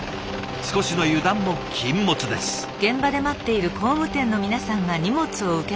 少しの油断も禁物です。